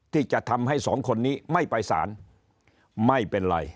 ที่จะทำให้สองคนนี้ไม่ไปสารไม่เป็นไร